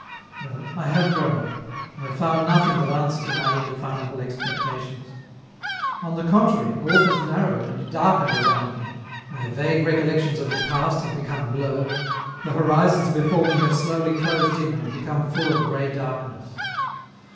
Well, I have grown up, and have found nothing that answered to my indefinable expectations; on the contrary, all has narrowed and darkened around me, my vague recollections of the past have become blurred, the horizons before me have slowly closed in and become full of gray darkness.